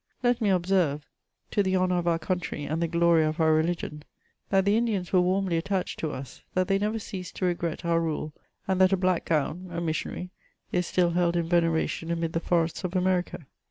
Let me observe, to the honour of our CHATEAUBRLOD. 279 county, and the gloiy of our religion, that the Indians were warmly attached to us, that they^ never cease to regret our rule, ' and that a black gown (a mission aiy) is still held in veneration amid the forests of America.